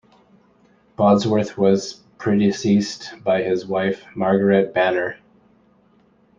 Bodsworth was predeceased by his wife Margaret Banner.